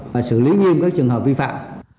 và xử lý nhiên các trường hợp vi phạm